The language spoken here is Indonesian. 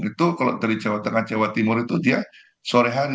itu kalau dari jawa tengah jawa timur itu dia sore hari